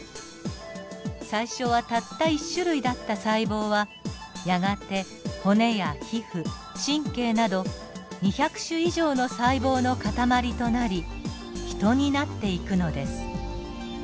最初はたった１種類だった細胞はやがて骨や皮膚神経など２００種以上の細胞の塊となりヒトになっていくのです。